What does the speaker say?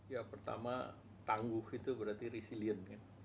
ya pertama tangguh itu berarti resilient ya